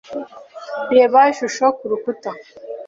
Reba ishusho kurukuta.